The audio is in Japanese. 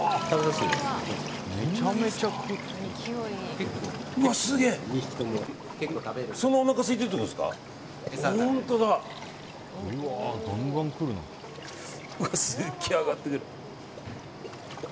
すっげえ上がってくる。